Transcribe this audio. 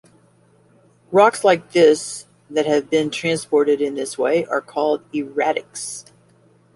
Rocks like this that have been transported in this way are called erratics.